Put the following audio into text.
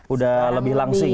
udah lebih langsing